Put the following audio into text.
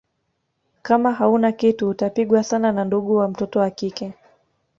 Kama hauna kitu utapigwa sana na ndugu wa mtoto wa kike